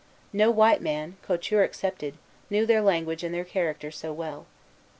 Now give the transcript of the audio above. No white man, Couture excepted, knew their language and their character so well.